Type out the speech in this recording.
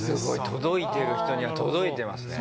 届いてる人には届いてますね。